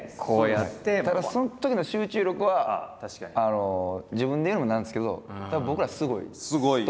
ただそのときの集中力は自分で言うのも何ですけどたぶん僕らすごいと思います。